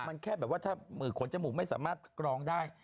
มันแค่แบบว่าถ้ามือขนจมูกไม่สามารถกรองได้